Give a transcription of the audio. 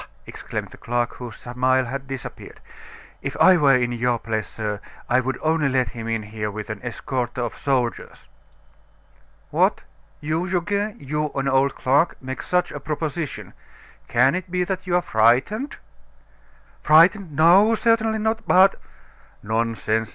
exclaimed the clerk, whose smile had disappeared, "If I were in your place, sir, I would only let him in here with an escort of soldiers." "What! you Goguet, you, an old clerk make such a proposition! Can it be that you're frightened?" "Frightened! No, certainly not; but " "Nonsense!"